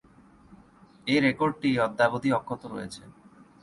এ রেকর্ডটি অদ্যাবধি অক্ষত রয়েছে।